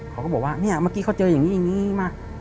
มันก็บอกว่ามันเจอแบบนี้มา